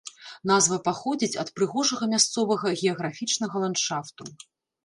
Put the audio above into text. Назва паходзіць ад прыгожага мясцовага геаграфічнага ландшафту.